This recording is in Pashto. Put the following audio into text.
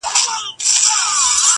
چي عادت وي چا اخیستی په شیدو کي٫